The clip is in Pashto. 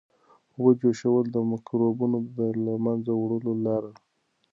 د اوبو جوشول د مکروبونو د له منځه وړلو لاره ده.